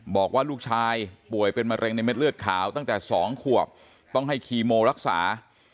บอกว่าลูกชายป่วยเป็นมะเร็งในเม็ดเลือดขาวตั้งแต่๒ขวบต้องให้คีโมรักษา